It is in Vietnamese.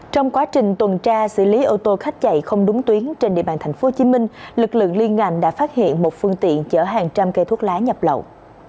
trong quá trình tuần tra xử lý ô tô khách chạy không đúng tuyến trên địa bàn tp hcm lực lượng liên ngành đã phát hiện một phương tiện chở hàng trăm cây thuốc lá nhập lậu